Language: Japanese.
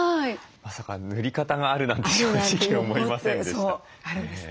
まさか塗り方があるなんて正直思いませんでした。